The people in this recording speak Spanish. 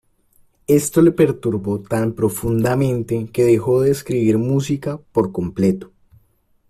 Esto le perturbó tan profundamente que dejó de escribir música por completo.